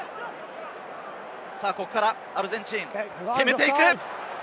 ここからアルゼンチン、攻めていく。